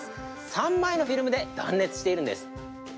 ３枚のフィルムで断熱しているんです。